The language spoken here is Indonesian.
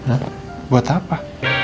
hah buat apa